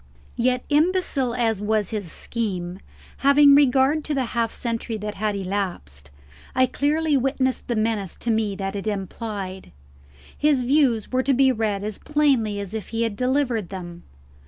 Yet, imbecile as was his scheme, having regard to the half century that had elapsed, I clearly witnessed the menace to me that it implied. His views were to be read as plainly as if he had delivered them.